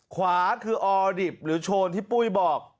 ขวานี่คือออดิบความเอออดิบปุ๊ยบอก